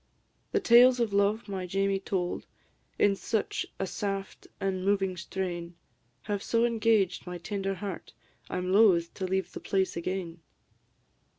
The tales of love my Jamie told, In such a saft an' moving strain, Have so engaged my tender heart, I 'm loth to leave the place again.